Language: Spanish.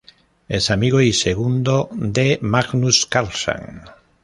Es amigo y segundo de Magnus Carlsen.